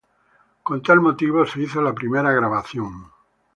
Con tal motivo se hizo la primera grabación.